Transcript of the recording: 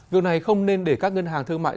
việc này không nên để các ngân hàng thương mại